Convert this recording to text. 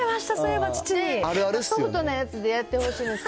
ソフトなやつでやってほしいですよね。